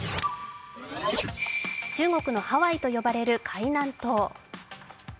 中国のハワイと呼ばれる海南島。